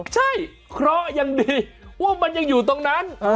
ใช่เคราะห์ยังดีว่ามันยังอยู่ตรงนั้น